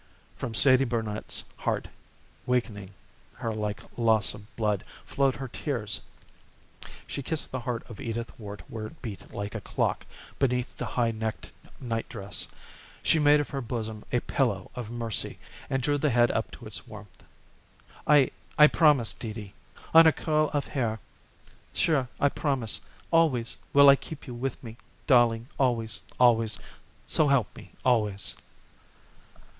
From Sadie Barnet's heart, weakening her like loss of blood, flowed her tears. She kissed the heart of Edith Worte where it beat like a clock beneath the high necked nightdress; she made of her bosom a pillow of mercy and drew the head up to its warmth. "I I promise, Dee Dee, on her curl of hair. Sure I promise. Always will I keep you with me, darling, always, always, so help me, always."